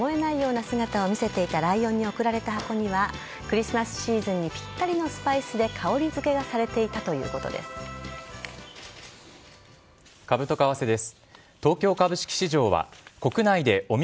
猛獣とは思えないような姿を見せていたライオンに贈られた箱はクリスマスシーズンにぴったりのスパイスで香り付けが株と為替です。